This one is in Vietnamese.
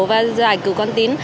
và giải cứu con tín